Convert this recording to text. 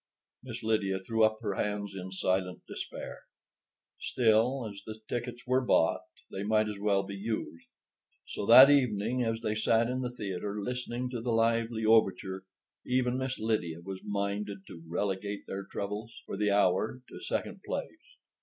Miss Lydia threw up her hands in silent despair. Still, as the tickets were bought, they might as well be used. So that evening, as they sat in the theater listening to the lively overture, even Miss Lydia was minded to relegate their troubles, for the hour, to second place.